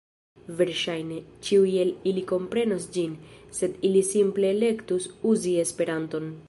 Verŝajne, ĉiuj el ili komprenos ĝin, sed ili simple elektus uzi Esperanton.